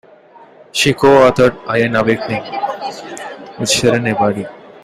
She co-authored "Iran Awakening" with Shirin Ebadi.